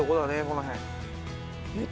この辺。